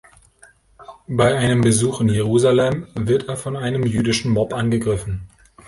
Bei einem Besuch in Jerusalem wird er von einem jüdischen Mob angegriffen.